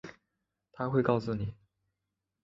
她会告诉你